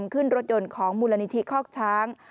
ขึ้นรถยนต์ของมูลนิธิคอกช้าง